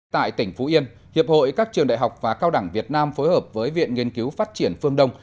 tại tỉnh phú yên hiệp hội các trường đại học và cao đẳng việt nam phối hợp với viện nghiên cứu phát triển phương đông